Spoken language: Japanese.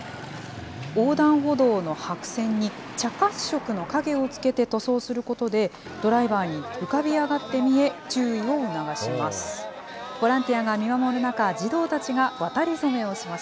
横断歩道の白線に、茶褐色の影をつけて塗装することで、ドライバーに浮かび上がって見え、注意を促します。